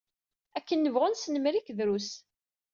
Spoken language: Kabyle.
Akken nebɣu nesnemmer-ik, drus.